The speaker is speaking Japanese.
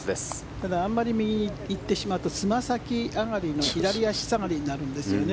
ただあまり右に行ってしまうとつま先上がりの左足下がりになるんですよね